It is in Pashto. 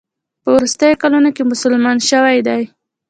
په وروستیو کلونو کې مسلمان شوی دی.